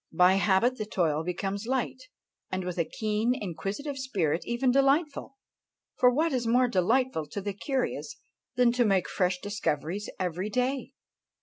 By habit the toil becomes light; and with a keen inquisitive spirit even delightful! For what is more delightful to the curious than to make fresh discoveries every day?